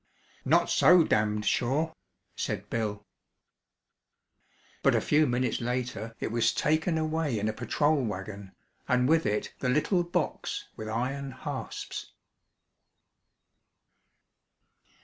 "Not so damned sure!" said Bill. But a few minutes later it was taken away in a patrol wagon, and with it the little box with iron hasps.